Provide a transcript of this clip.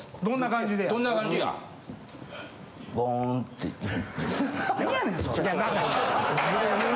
どんな感じや？